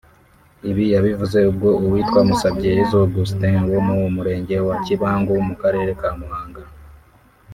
Ibi yabivuze ubwo uwitwa Musabyeyezu Augustin wo mu Murenge wa Kibangu mu Karere ka Muhanga